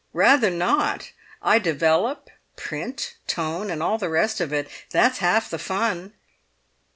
"Rather not! I develop, print, tone, and all the rest of it; that's half the fun."